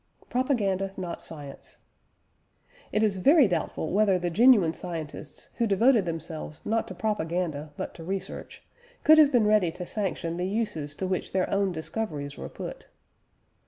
PROPAGANDA NOT SCIENCE. It is very doubtful whether the genuine scientists, who devoted themselves not to propaganda but to research, could have been ready to sanction the uses to which their own discoveries were put.